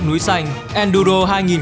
núi xanh enduro hai nghìn hai mươi bốn